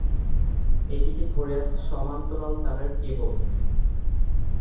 এটিকে ধরে আছে সমান্তরাল তারের কেবল।